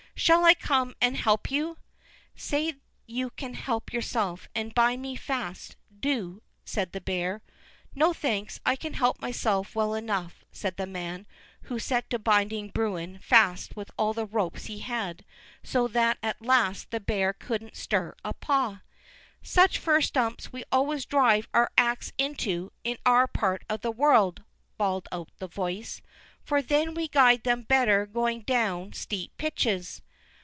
"Shall I come and help you?" "Say you can help yourself, and bind me fast, do," said the bear. "No, thanks, I can help myself well enough," said the man, who set to binding Bruin fast with all the ropes he had, so that at last the bear couldn't stir a paw. "Such fir stumps we always drive our ax into, in our part of the world," bawled out the voice, "for then we guide them better going down steep pitches."